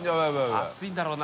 熱いんだろうな。